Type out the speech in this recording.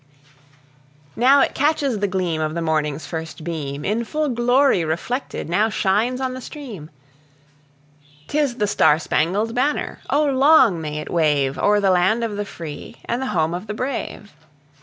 Now it catches the gleam of the morning's first beam, In full glory reflected now shines on the stream; 'Tis the star spangled banner; O long may it wave O'er the land of the free, and the home of the brave!